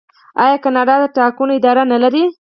آیا کاناډا د ټاکنو اداره نلري؟